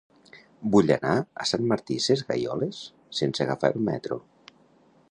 Vull anar a Sant Martí Sesgueioles sense agafar el metro.